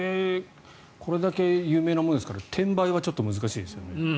これだけ有名なものですから転売はちょっと難しいですよね。